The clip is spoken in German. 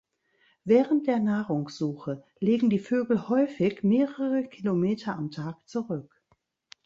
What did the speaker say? Während der Nahrungssuche legen die Vögel häufig mehrere Kilometer am Tag zurück.